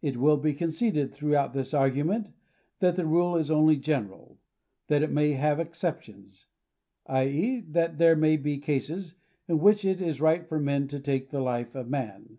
It will be conceded throughout this argument that the rule is only general; that it may have exceptions; i. e., that there may be cases in which it is right for man to take the life of man.